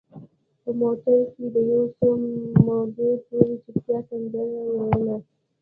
په موټر کې د یو څه مودې پورې چوپتیا سندره ویله.